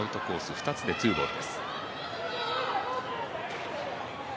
２つでツーボール。